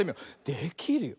できるよ。